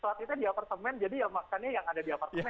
sholat itu di apartemen jadi makannya yang ada di apartemen